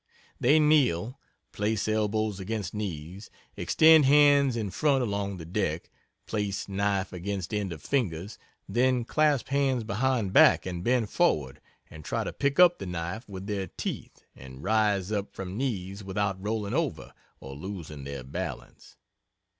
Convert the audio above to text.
They kneel place elbows against knees extend hands in front along the deck place knife against end of fingers then clasp hands behind back and bend forward and try to pick up the knife with their teeth and rise up from knees without rolling over or losing their balance.